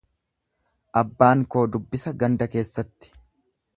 Abbaan koo dubbisa ganda keessatti.